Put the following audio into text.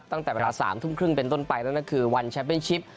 ตั้งแต่เวลา๓ทุ่มครึ่งเป็นต้นไปนั่นก็คือวันแชมเป็นชิป